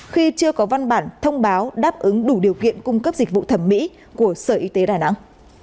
khi chưa có văn bản thông báo đáp ứng đủ điều kiện cung cấp dịch vụ thẩm mỹ của sở y tế đà nẵng